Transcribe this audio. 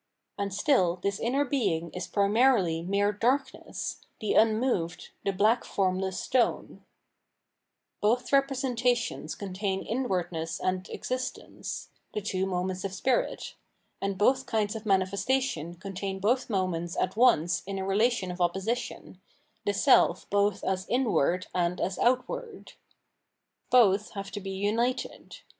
And stiU this inner being is primarily mere darkness, the un moved, the black formless stone, f Both representations contain inwardness and ex istence — the two moments of spirit : and both kinds of manifestation contain both moments at once in a relation of opposition, the self both as inward and as outward. Both have to be united.